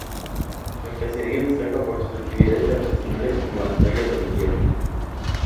El caserío destaca por sus actividades artesanales como la talla de la piedra.